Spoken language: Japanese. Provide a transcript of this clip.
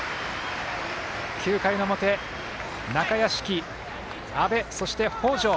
９回の表、中屋敷、阿部そして、北條。